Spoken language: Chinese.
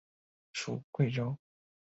属桂州。